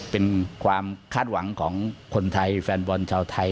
เพราะมีสถิติที่น่าสนใจ